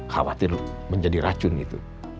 khawatir menjadi racun gitu